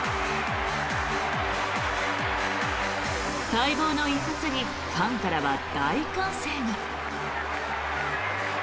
待望の一発にファンからは大歓声が。